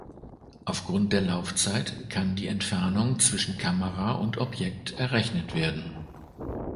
Aufgrund der Laufzeit kann die Entfernung zwischen Kamera und Objekt errechnet werden.